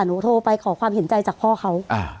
หนูโทรไปขอความเห็นใจจากพ่อเขา